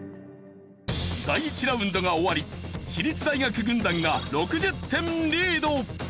第１ラウンドが終わり私立大学軍団が６０点リード。